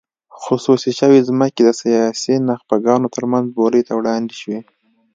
خصوصي شوې ځمکې د سیاسي نخبګانو ترمنځ بولۍ ته وړاندې شوې.